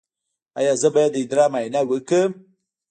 ایا زه باید د ادرار معاینه وکړم؟